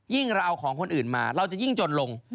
เราเอาของคนอื่นมาเราจะยิ่งจนลง